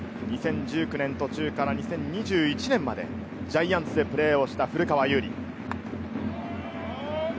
２０１９年途中から２０２１年までジャイアンツでプレーをした古川侑利。